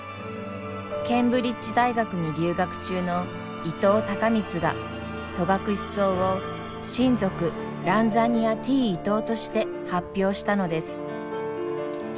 ケンブリッジ大学に留学中の伊藤孝光が戸隠草を新属ＲＡＮＺＡＮＩＡＴ．Ｉｔｏとして発表したのです。